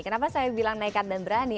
kenapa saya bilang nekat dan berani